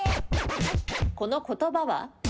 この言葉は？